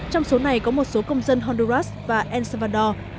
trong số này có một số công dân honduras và el salvador